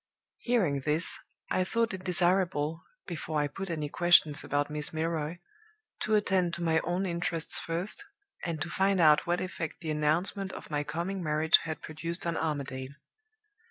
"Hearing this, I thought it desirable, before I put any questions about Miss Milroy, to attend to my own interests first, and to find out what effect the announcement of my coming marriage had produced on Armadale.